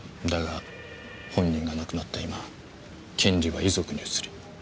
だが本人が亡くなった今権利は遺族に移る。